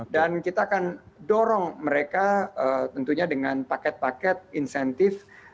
dan kita akan dorong mereka tentunya dengan paket paket insentif